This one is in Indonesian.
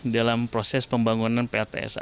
dalam proses pembangunan pltsa